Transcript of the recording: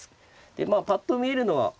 まあぱっと見えるのは。